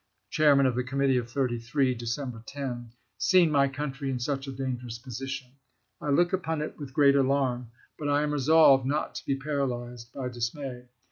Chairman of the Committee of Thirty three (Decem ber 10), "seen my country in such a dangerous position. I look upon it with great alarm, but I am resolved not to be paralyzed by dismay.